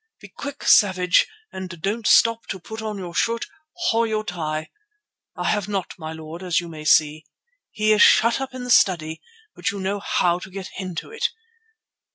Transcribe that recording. Be quick, Savage, and don't stop to put on your shirt or your tie"—I have not, my lord, as you may see. "He is shut up in the study, but you know how to get into it.